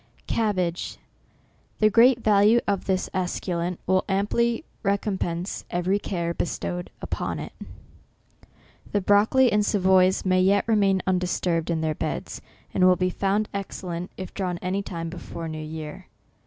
CABBAGE. The great value of this esculent will amply recompense every care bestowed upon it. The broccoli and Savoys may yet remain undisturbed in their beds, and will be found excellent if drawn any time before new year.